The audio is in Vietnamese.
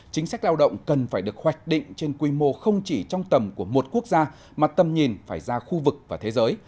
chính sách lao động cần phải được hoạch định trên quy mô không chỉ trong tầm của một quốc gia mà tầm nhìn phải ra khu vực và thế giới